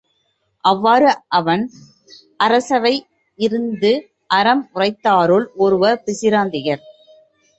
அவ்வாறு, அவன் அரசவை இருந்து அறம் உரைத்தாருள் ஒருவர் பிசிராந்தையார்.